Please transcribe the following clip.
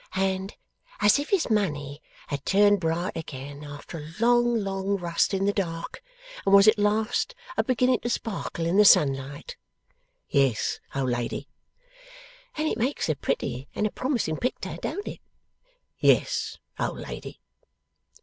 'And as if his money had turned bright again, after a long long rust in the dark, and was at last a beginning to sparkle in the sunlight?' 'Yes, old lady.' 'And it makes a pretty and a promising picter; don't it?' 'Yes, old lady.